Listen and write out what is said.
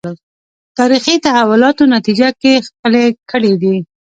تاریخي تحولاتو نتیجه کې خپلې کړې دي